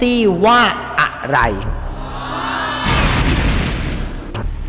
อียมขอบคุณครับ